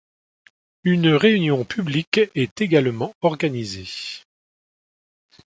Une réunion publique est également organisée.